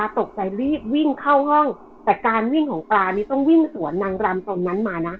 ตกใจรีบวิ่งเข้าห้องแต่การวิ่งของปลานี่ต้องวิ่งสวนนางรำตรงนั้นมานะ